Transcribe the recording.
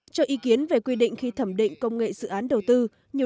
cho ý kiến về quy định khi thẩm định công nghệ dự án đầu tư